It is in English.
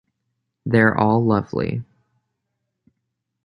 They're all lovely.